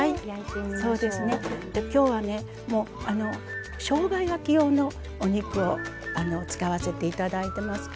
今日はしょうが焼き用のお肉を使わせていただいてます。